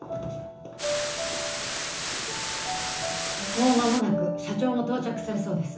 もうまもなく社長も到着するそうです